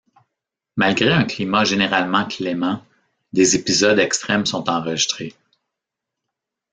Malgré un climat généralement clément, des épisodes extrêmes sont enregistrés.